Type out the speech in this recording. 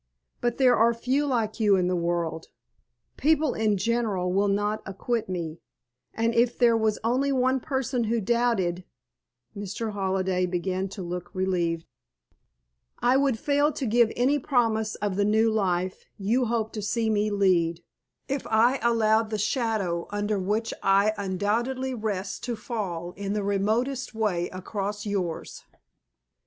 But there are few like you in the world. People in general will not acquit me, and if there was only one person who doubted " Mr. Halliday began to look relieved "I would fail to give any promise of the new life you hope to see me lead, if I allowed the shadow under which I undoubtedly rest to fall in the remotest way across yours.